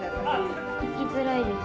描きづらいです。